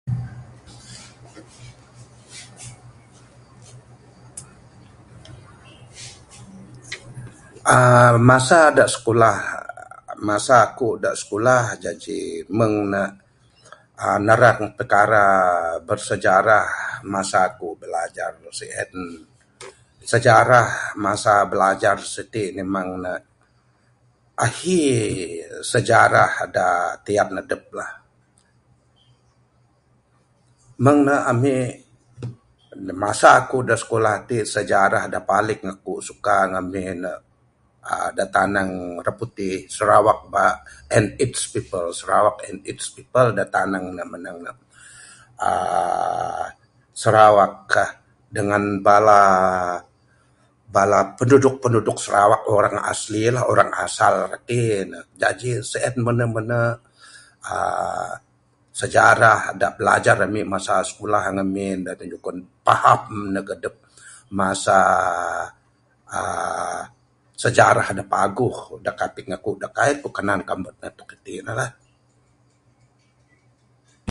aaa masa da sikulah, masa aku da skulah jaji meng ne aaa narang perkara bersejarah masa aku bilajar meh sien sejarah masa bilajar siti memang ne ahi sejarah da tiap adep. Meng ne ami da masa aku skulah ati, sejarah da paling aku suka ngamin ne aaa da tanang raputih Sarawak and its people da tanang ne mene aaa Sarawak aaa dengan bala aaa bala penduduk-penduduk Sarawak orang asli lah orang asal rati ne, jaji sien mene-mene aaa Sejarah da bilajar ami masa sikulah ngamin ne da jugon paham neg adep masa aaa Sejarah da paguh da kaping aku da kaik ku kanan kamet ne tok itin lah.